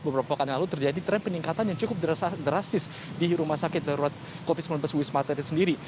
beberapa kali lalu terjadi tren peningkatan yang cukup drastis di rumah sakit darurat covid sembilan belas wisma atlet sendiri